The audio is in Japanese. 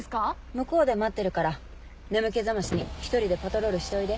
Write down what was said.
向こうで待ってるから眠気覚ましに１人でパトロールしておいで。